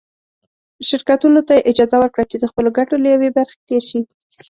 شرکتونو ته یې اجازه ورکړه چې د خپلو ګټو له یوې برخې تېر شي.